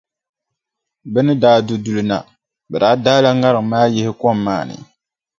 Bɛ ni daa du duli na, bɛ daa daala ŋariŋ maa yihi kom maa ni.